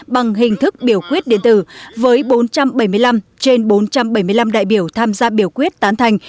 bằng hình thức biểu quyết điện tử với bốn trăm bảy mươi năm trên bốn trăm bảy mươi năm đại biểu tham gia biểu quyết tán thành